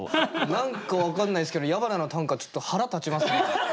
何か分かんないすけど矢花の短歌ちょっと腹立ちます。